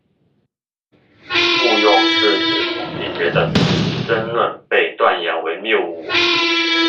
统计误用是指统计学的争论被断言为谬误。